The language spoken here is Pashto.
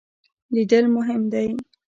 لیدل مهم دی.